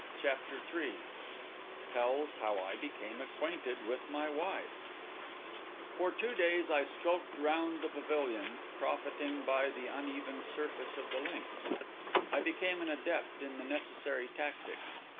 CHAPTER III TELLS HOW I BECAME ACQUAINTED WITH MY WIFE For two days I skulked round the pavilion, profiting by the uneven surface of the links. I became an adept in the necessary tactics.